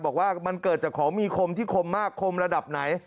บอกว่ามันเกิดจากของมีคมที่คมมากคมระดับไหน